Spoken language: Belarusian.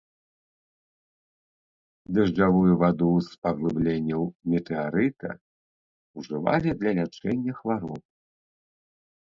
Дажджавую ваду з паглыбленняў метэарыта ўжывалі для лячэння хвароб.